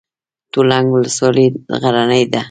تولک ولسوالۍ غرنۍ ده؟